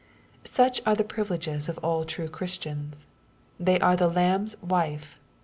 Suclyire the privileges of all true Christians. They are the Lamb's wife.